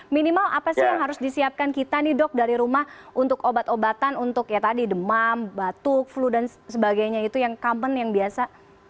minimal apa sih yang harus disiapkan kita nih dok dari rumah untuk obat obatan untuk ya tadi demam batuk flu dan sebagainya itu yang common yang biasa